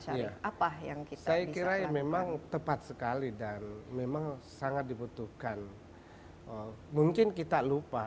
saya apa yang saya kira memang tepat sekali dan memang sangat dibutuhkan mungkin kita lupa